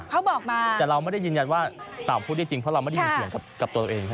เขาบอกมาแต่เราไม่ได้ยืนยันว่าเต่าพูดได้จริงเพราะเราไม่ได้ยินเสียงกับตัวเอง